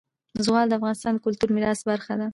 زغال د افغانستان د کلتوري میراث برخه ده.